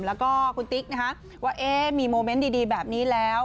แล้วก็คุณติ๊กนะคะว่ามีโมเมนต์ดีแบบนี้แล้ว